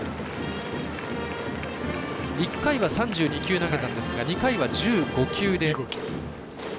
１回は３２球投げたんですが２回は１５球で。